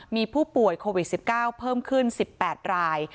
มีผู้ป่วยโควิด๑๙เพิ่มขึ้น๑๘ราย